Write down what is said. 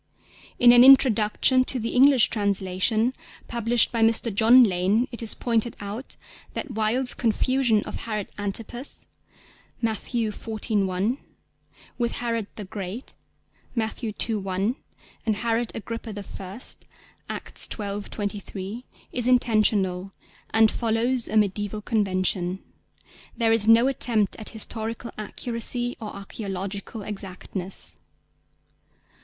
In an introduction to the English translation published by Mr. John Lane it is pointed out that Wilde's confusion of Herod Antipas (Matt. xiv. 1) with Herod the Great (Matt. ii. 1) and Herod Agrippa I. (Acts xii. 23) is intentional, and follows a mediæval convention. There is no attempt at historical accuracy or archæological exactness.